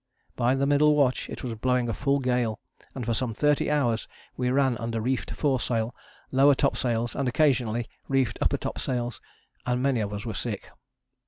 By the middle watch it was blowing a full gale and for some thirty hours we ran under reefed foresail, lower topsails and occasionally reefed upper topsails, and many of us were sick.